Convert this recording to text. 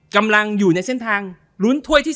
กำลังอยู่ในเส้นทางลุ้นถ้วยที่๓